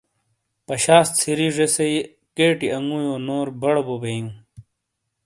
پشاس سِری ذیسئی کیٹی اَنگُوئیو نور بَڑو بو بئیوں۔